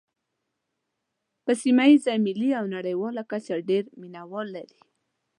په سیمه ییزه، ملي او نړیواله کچه ډېر مینوال لري.